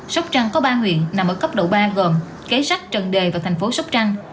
sóc trăng có ba huyện nằm ở cấp độ ba gồm kế sách trần đề và thành phố sóc trăng